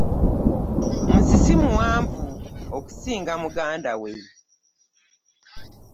Musisi muwanvu okusinga mugandawe.